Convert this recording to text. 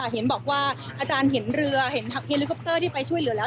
เห็นหาเรือเฮล็อร์คอปเตอร์ที่ไปช่วยเหลือแล้ว